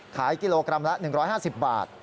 ขายกิโลกรัมละ๑๕๐บาท